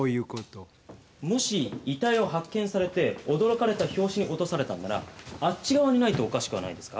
もし遺体を発見されて驚かれた拍子に落とされたんならあっち側にないとおかしくはないですか？